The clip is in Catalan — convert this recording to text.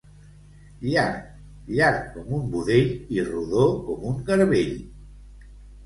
Llarg, llarg com un budell i rodó com un garbell.